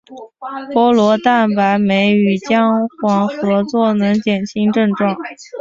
菠萝蛋白酶与姜黄合用能减轻症状。